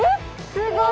すごい！